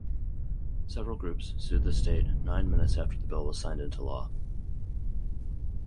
Several groups sued the state nine minutes after the bill was signed into law.